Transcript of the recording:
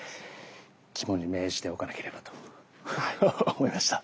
肝に銘じておかなければと思いました。